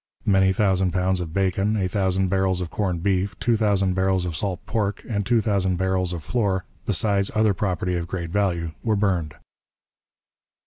Many thousand pounds of bacon, a thousand barrels of corned beef, two thousand barrels of salt pork, and two thousand barrels of floor, besides other property of great value, were burned.